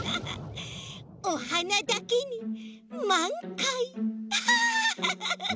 おはなだけにまんかい！